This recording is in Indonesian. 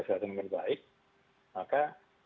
kesehatan dengan baik maka